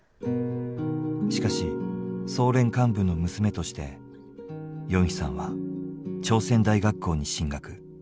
しかし総連幹部の娘としてヨンヒさんは朝鮮大学校に進学。